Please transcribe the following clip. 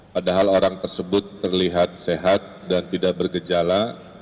padahal orang tersebut terlihat sehat dan tidak bergejala